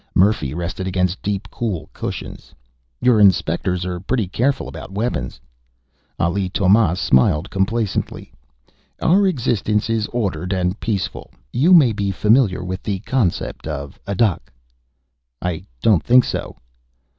Murphy rested against deep, cool cushions. "Your inspectors are pretty careful about weapons." Ali Tomás smiled complacently. "Our existence is ordered and peaceful. You may be familiar with the concept of adak?" "I don't think so."